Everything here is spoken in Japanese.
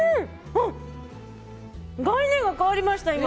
概念が変わりました、今！